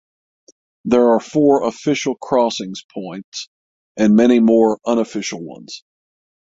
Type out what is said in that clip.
There are four official crossings points and many more unofficial ones.